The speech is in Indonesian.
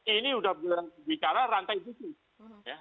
ini udah bicara rantai bisnis